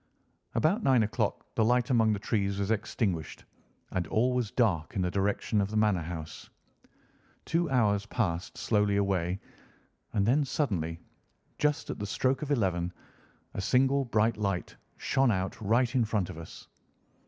About nine o'clock the light among the trees was extinguished, and all was dark in the direction of the Manor House. Two hours passed slowly away, and then, suddenly, just at the stroke of eleven, a single bright light shone out right in front of us.